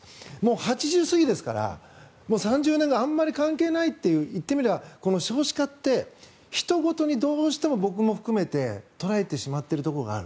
８０過ぎですから３０年間あまり関係ないという言ってみれば少子化ってひと事にどうしても僕も含めて捉えてしまっているところがある。